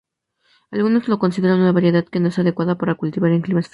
Algunos lo consideran una variedad que no es adecuada para cultivar en climas fríos.